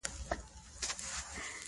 په دې خبره قیصر هم ښه خبر دی.